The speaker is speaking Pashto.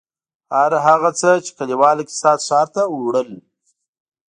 هر هغه څه چې کلیوال اقتصاد ښار ته وړل.